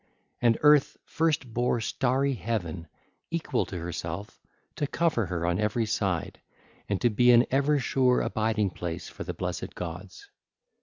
And Earth first bare starry Heaven, equal to herself, to cover her on every side, and to be an ever sure abiding place for the blessed gods.